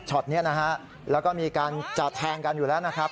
ช็อตเนี่ยนะครับแล้วก็มีการจัดแทงกันอยู่แล้วนะครับ